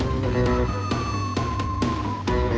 อยากเอาอุ้มไว้ด้วยนะ